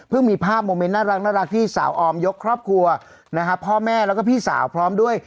พี่สาวออมยกครอบครัวนะครับพ่อแม่แล้วก็พี่สาวพร้อมด้วย